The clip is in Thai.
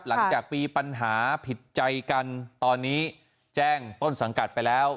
หลังจากมีปัญหาผิดใจกันตอนนี้แจ้งต้นสังกัดไปแล้ว